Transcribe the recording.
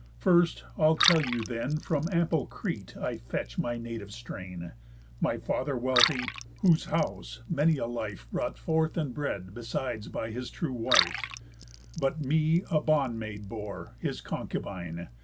First, I'll tell you then, From ample Crete I fetch my native strain; My father wealthy, whose house many a life Brought forth and bred besides by his true wife, But me a bond maid bore, his concubine.